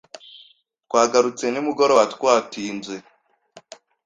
Twagarutse nimugoroba, twatinze.